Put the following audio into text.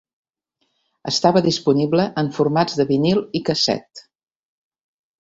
Estava disponible en formats de vinil i casset.